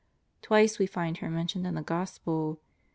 Twice we find her mentioned in the Gospel.